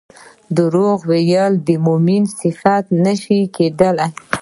دروغ ويل د مؤمن صفت نه شي کيدلی